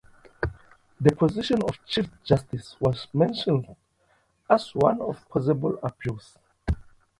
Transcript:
The position of Chief Justice was mentioned as one of possible abuse.